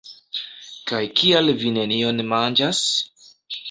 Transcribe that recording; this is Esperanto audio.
Kaj kial vi nenion manĝas?